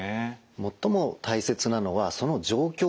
最も大切なのはその状況です。